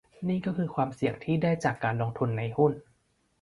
นี่ก็คือความเสี่ยงที่ได้จากการลงทุนในหุ้น